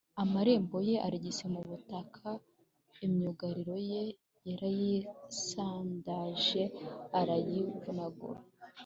Amarembo ye arigise mu butaka, Imyugariro ye yarayisandaje arayivunagura.